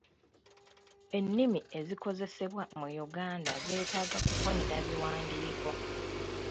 Ennimi ezikozesebwa mu Uganda zeetaaga kufunira biwandiiko.